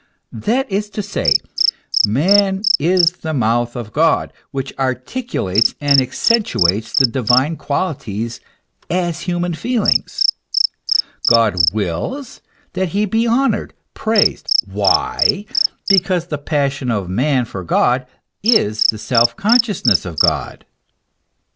That is to say, man is the mouth of God, which articulates and accentuates the divine qualities as human feelings. God wills that he be honoured, praised. Why? because the passion of man for God is the self consciousness of God.